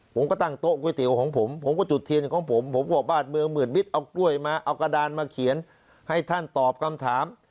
ผมก็ตั้งโต๊ะก๋วยเตี๋ยวของผมผมก็จุดเทียนของผมผมบอกบ้านเมืองหมื่นมิตรเอากล้วยมาเอากระดานมาเขียนให้ท่านตอบคำถาม